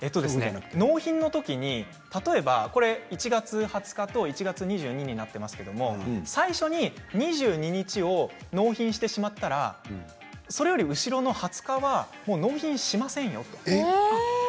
納品の時に例えばこれ、１月２０日と１月２２となっていますが最初に２２日を納品してしまったらそれより後ろの２０日は納品しませんよと。